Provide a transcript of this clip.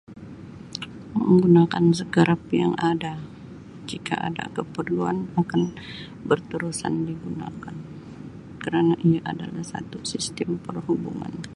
Gunakan sekerap yang ada, jika ada keperluan bukan berterusan digunakan. kerana ini adalah salah satu sistem perhubungan.